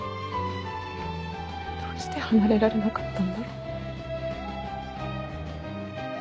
どうして離れられなかったんだろう。